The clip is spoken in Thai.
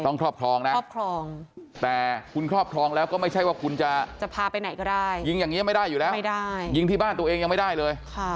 ครอบครองนะครอบครองแต่คุณครอบครองแล้วก็ไม่ใช่ว่าคุณจะจะพาไปไหนก็ได้ยิงอย่างนี้ไม่ได้อยู่แล้วไม่ได้ยิงที่บ้านตัวเองยังไม่ได้เลย